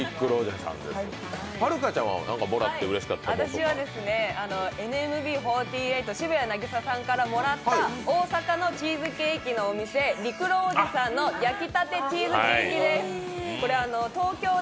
私はＮＭＢ４８・渋谷凪咲さんからもらった大阪のチーズケーキのお店、りくろーおじさんの焼きたてチーズケーキです。